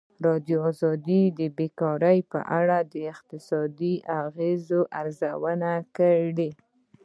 ازادي راډیو د بیکاري په اړه د اقتصادي اغېزو ارزونه کړې.